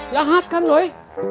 jahat kan doi